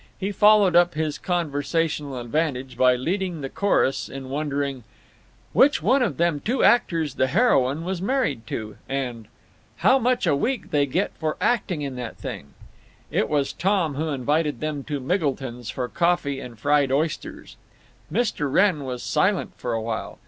He followed up his conversational advantage by leading the chorus in wondering, "which one of them two actors the heroine was married to?" and "how much a week they get for acting in that thing?" It was Tom who invited them to Miggleton's for coffee and fried oysters. Mr. Wrenn was silent for a while.